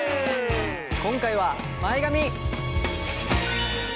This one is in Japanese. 今回は前髪！